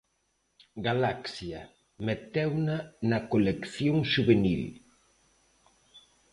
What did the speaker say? Galaxia meteuna na colección xuvenil.